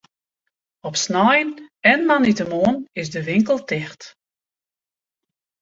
Op snein en moandeitemoarn is de winkel ticht.